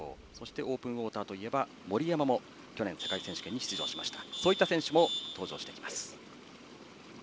オープンウォーターといえば森山も去年世界選手権に出場しました。